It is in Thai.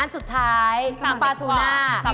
อันสุดท้ายปลาทูน่า